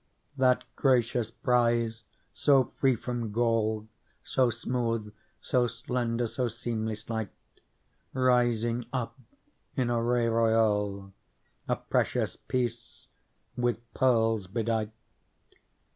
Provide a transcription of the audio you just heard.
That gracious prize so free from gall, So smooth, so slender, so seemly slight, Rising up in array royal A precious Piece ^ with pearls bedight.